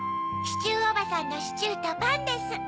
シチューおばさんのシチューとパンです。